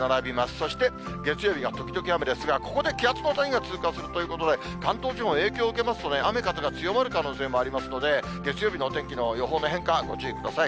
そして月曜日が時々雨ですが、ここで気圧の谷が通過するということで、関東地方も影響受けますとね、雨風が強まる可能性もありますので、月曜日のお天気の予報の変化、ご注意ください。